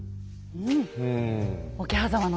うん。